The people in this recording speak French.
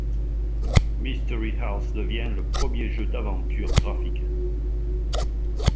Mystery House devient le premier jeu d'aventure graphique.